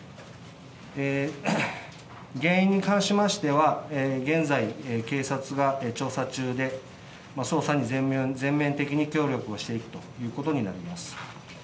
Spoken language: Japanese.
原因に関しましては、現在、警察が調査中で捜査に全面的に協力をしていくということになります。